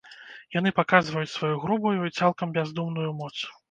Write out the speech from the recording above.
Яны паказваюць сваю грубую і цалкам бяздумную моц.